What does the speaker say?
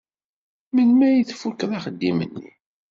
Melmi ay tfukeḍ axeddim-nni?